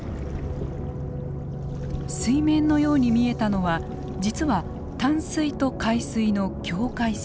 水面のように見えたのは実は淡水と海水の境界線。